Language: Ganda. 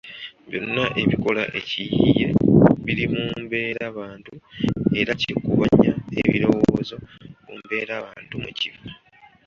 Byonna ebikola ekiyiiye biri mu mbeerabantu era kikubanya ebirowooza ku mbeerabantu mwe kiva.